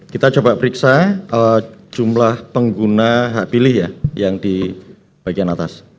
kita coba periksa jumlah pengguna hak pilih ya yang di bagian atas